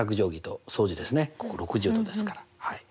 ここ６０°ですから。